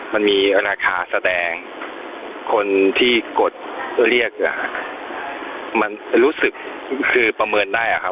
มันมีราคาแสดงคนที่กดเรียกมันรู้สึกคือประเมินได้อะครับ